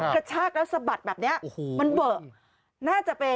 กระชากแล้วสะบัดแบบนี้มันเบิ่น